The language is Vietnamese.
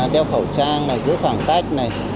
đeo khẩu trang giữ khoảng cách